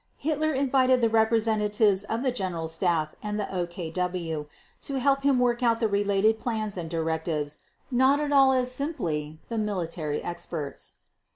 Hitler invited the representatives of the General Staff and the OKW to help him work out the related plans and directives not at all as simply the military experts.